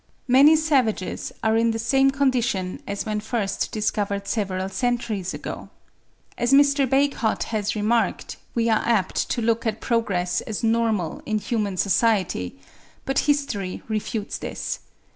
Many savages are in the same condition as when first discovered several centuries ago. As Mr. Bagehot has remarked, we are apt to look at progress as normal in human society; but history refutes this.